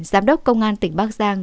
giám đốc công an tỉnh bắc giang